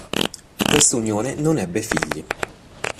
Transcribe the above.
Questa unione non ebbe figli.